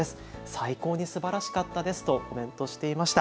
最高にすばらしかったですとコメントしていました。